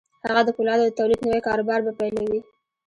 هغه د پولادو د تولید نوی کاروبار به پیلوي